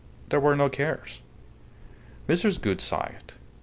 There were no cares." Mrs. Gould sighed.